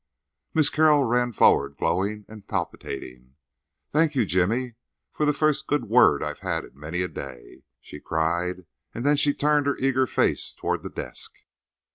Miss Carroll ran forward, glowing and palpitating. "Thank you, Jimmy, for the first good word I've had in many a day," she cried. And then she turned her eager face toward the desk.